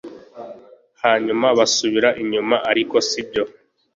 Hanyuma basubira inyuma ariko sibyo